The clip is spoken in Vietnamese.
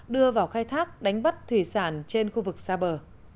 đưa vào khai thác đánh bắt thủy sản trên khu vực xa bờ